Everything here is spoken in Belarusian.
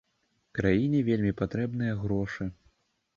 Краіне вельмі патрэбныя грошы.